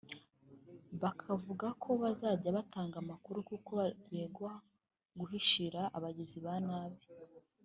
bakavuga ko bazajya batanga amakuru kuko baregwa guhishira abagizi ba nabi